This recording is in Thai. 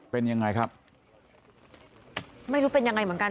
เป็นยังไงครับไม่รู้เป็นยังไงเหมือนกัน